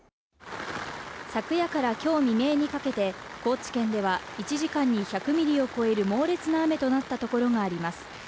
昨夜からきょう未明にかけて高知県では１時間に１００ミリを超える猛烈な雨となったところもあります